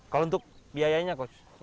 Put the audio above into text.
kalau untuk biayanya coach